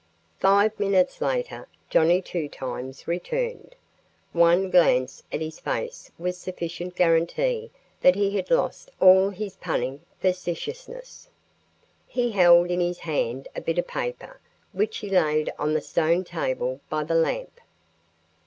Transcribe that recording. Five minutes later "Johnnie Two Times" returned. One glance at his face was sufficient guarantee that he had lost all his punning facetiousness. He held in his hand a bit of paper which he laid on the stone table by the lamp.